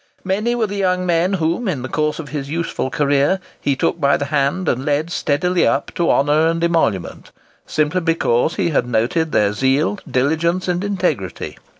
Many were the young men whom, in the course of his useful career, he took by the hand and led steadily up to honour and emolument, simply because he had noted their zeal, diligence, and integrity.